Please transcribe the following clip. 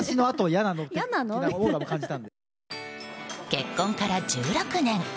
結婚から１６年。